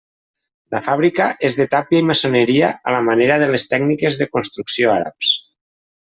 La fàbrica és de tàpia i maçoneria a la manera de les tècniques de construcció àrabs.